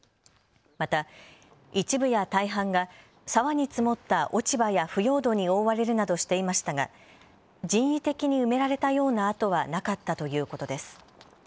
また一部や大半が沢に積もった落ち葉や腐葉土に覆われるなどしていましたが人為的に埋められたような跡はなかったということです。